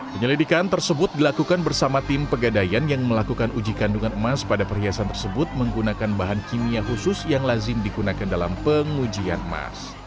penyelidikan tersebut dilakukan bersama tim pegadayan yang melakukan uji kandungan emas pada perhiasan tersebut menggunakan bahan kimia khusus yang lazim dikunakan dalam pengujian emas